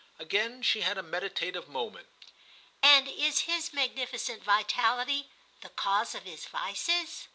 Again she had a meditative moment. "And is his magnificent vitality the cause of his vices?"